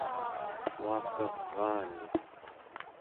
uakaraani